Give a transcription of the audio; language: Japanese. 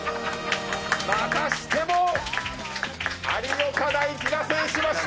またしても有岡大貴が制しました！